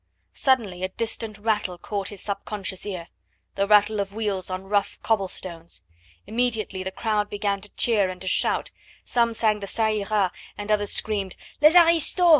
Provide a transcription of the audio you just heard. Suddenly a distant rattle caught his subconscious ear: the rattle of wheels on rough cobble stones. Immediately the crowd began to cheer and to shout; some sang the "Ca ira!" and others screamed: "Les aristos!